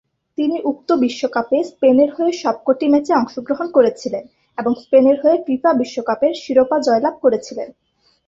তিনি উক্ত বিশ্বকাপে স্পেনের হয়ে সবকটি ম্যাচে অংশগ্রহণ করেছিলেন এবং স্পেনের হয়ে ফিফা বিশ্বকাপের শিরোপা জয়লাভ করেছিলেন।